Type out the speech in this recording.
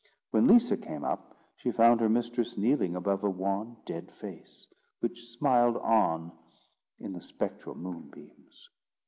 When Lisa came up, she found her mistress kneeling above a wan dead face, which smiled on in the spectral moonbeams.